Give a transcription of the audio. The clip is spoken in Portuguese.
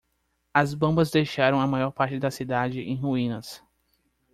As bombas deixaram a maior parte da cidade em ruínas.